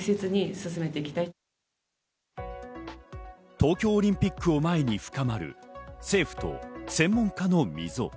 東京オリンピックを前に深まる、政府と専門家の溝。